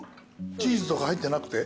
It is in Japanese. チーズとか入ってなくて？